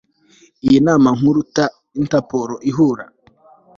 iyi nama nkuru ta interpol ihura